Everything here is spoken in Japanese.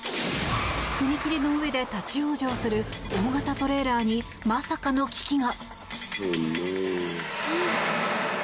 踏切の上で立ち往生する大型トレーラーにまさかの危機が。